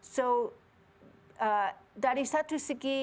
jadi dari satu segi